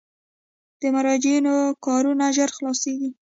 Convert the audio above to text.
د مراجعینو کارونه ژر خلاصیږي؟